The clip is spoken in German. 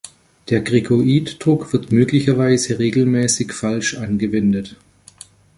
Der Krikoiddruck wird möglicherweise regelmäßig falsch angewendet.